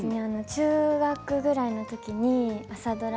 中学くらいの時に朝ドラ